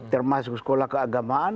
termasuk sekolah keagamaan